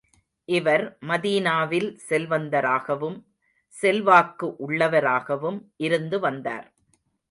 இவர் மதீனாவில் செல்வந்தராகவும், செல்வாக்கு உள்ளவராகவும் இருந்து வந்தார்.